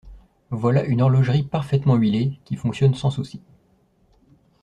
Voilà une horlogerie parfaitement huilée, qui fonctionne sans soucis.